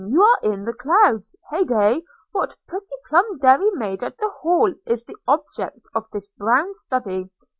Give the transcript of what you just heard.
You are in the clouds! Hey day! What pretty plump dairy maid at the Hall is the object of this brown study?